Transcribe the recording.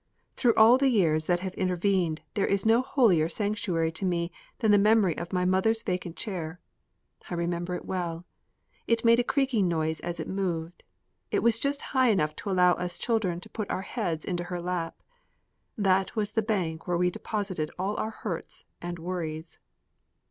Through all the years that have intervened there is no holier sanctuary to me than the memory of my mother's vacant chair. I remember it well. It made a creaking noise as it moved. It was just high enough to allow us children to put our heads into her lap. That was the bank where we deposited all our hurts and worries.